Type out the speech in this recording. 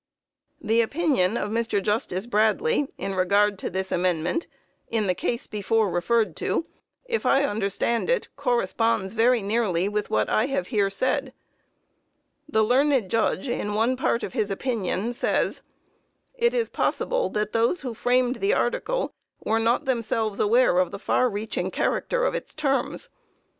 The opinion of Mr. Justice Bradley, in regard to this amendment, in the case before referred to, if I understand it, corresponds very nearly with what I have here said. The learned judge, in one part of his opinion, says: "It is possible that those who framed the article were not themselves aware of the far reaching character of its terms.